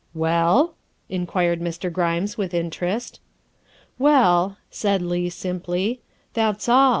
'''' Well ?'' inquired Mr. Grimes with interest. " Well," said Leigh simply, " that's all.